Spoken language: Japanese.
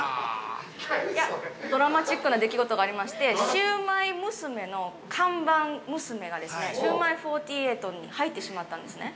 ドラマチックな出来事がありまして、シウマイ娘の看板娘が、シウマイ４８に入ってしまったんですね、